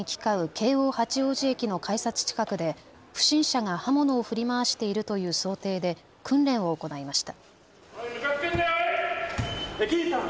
京王八王子駅の改札近くで不審者が刃物を振り回しているという想定で訓練を行いました。